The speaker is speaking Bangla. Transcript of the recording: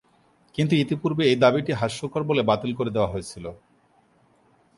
কিন্তু ইতিপূর্বে এই দাবিটি হাস্যকর বলে বাতিল করে দেওয়া হয়েছিল।